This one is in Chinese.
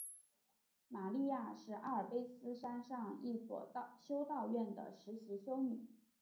玛莉亚是阿尔卑斯山上一所修道院的实习修女。